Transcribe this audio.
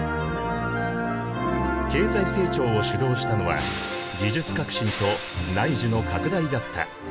経済成長を主導したのは技術革新と内需の拡大だった。